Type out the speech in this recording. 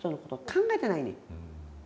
考えてないねん。